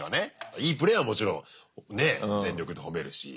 いいプレーはもちろんねえ全力で褒めるし。